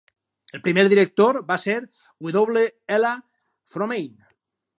El primer director va ser W. L. Fromein.